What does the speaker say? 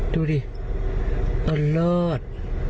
ดูดิเหลือด